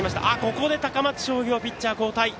ここで高松商業、ピッチャー交代。